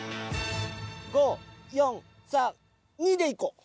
５４３２でいこう。